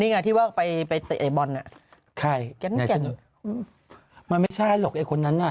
นี่ไงที่ว่าไปจะเตะไอบอลใกล้มันไม่ใช่หรอกไอคนนั้นน่ะ